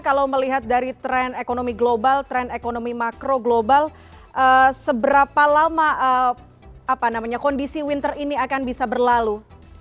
kalau melihat dari tren ekonomi global tren ekonomi makro global seberapa lama kondisi winter ini akan bisa berlalu